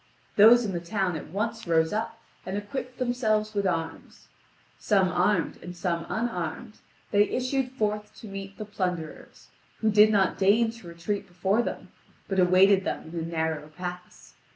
Those in the town at once rose up and equipped themselves with arms. Some armed and some unarmed, they issued forth to meet the plunderers, who did not deign to retreat before them, but awaited them in a narrow pass.